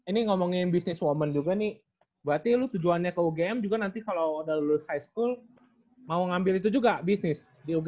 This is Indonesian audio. ini ngomongin bisnis woman juga nih berarti lu tujuannya ke ugm juga nanti kalau udah lulus high school mau ngambil itu juga bisnis